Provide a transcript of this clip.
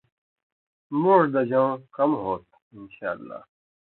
مُوڙ دژؤں کم ہوتُھو۔ انشاءاللہ